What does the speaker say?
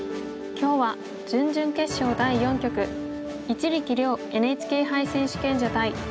今日は準々決勝第４局一力遼ＮＨＫ杯選手権者対本木